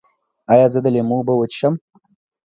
ایا زه د لیمو اوبه وڅښم؟